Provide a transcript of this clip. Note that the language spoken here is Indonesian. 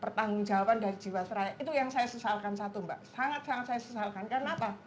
pertanggung jawaban dari jiwasraya itu yang saya sesalkan satu mbak sangat sangat saya sesalkan karena apa